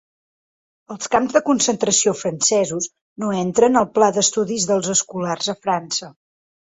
Els camps de concentració francesos no entren al pla d'estudis dels escolars a França.